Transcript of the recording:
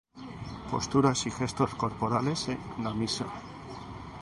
Posturas y gestos corporales en la Misa